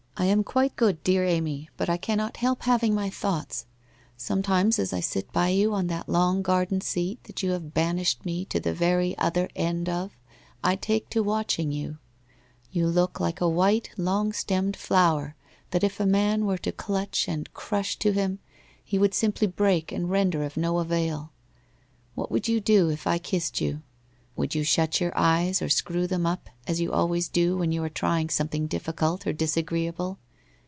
1 am quite good, dear Amy, but I cannot help having my thoughts. Sometimes as I sit by you on that long garden sent that you have banished me to the very other end of, I take to watching you. You look like a white, long stemmed flower that if a man were to clutch and crush to him, he would simply break and render of no avail. What would you do if I kissed you? Would you shut your eyes or screw them up, as you always do when you are try ing something difficult or disagreeable?